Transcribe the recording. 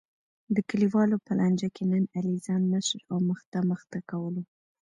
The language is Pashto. د کلیوالو په لانجه کې نن علی ځان مشر او مخته مخته کولو.